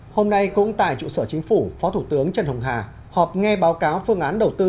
hôm nay cũng tại trụ sở chính phủ phó thủ tướng trần hồng hà họp nghe báo cáo phương án đầu tư